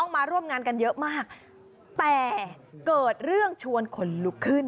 มันเยอะมากแต่เกิดเรื่องชวนคนลุกขึ้น